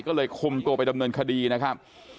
ก็เลยคุมตัวไปดำเนินคดีนะครับ